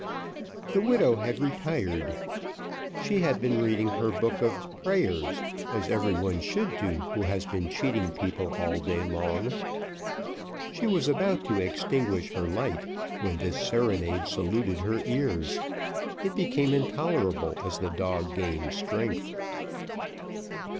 The widow had retired: she had been reading her book of prières, as every one should do, who has been cheating people all day long. She was about to extinguish her light, when this serenade saluted her ears; it became intolerable as the dog gained strength.